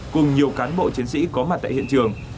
cùng nhiều cán bộ chiến sĩ có mặt tại hiện trường